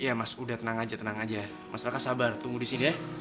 ya mas udah tenang aja tenang aja masyarakat sabar tunggu di sini ya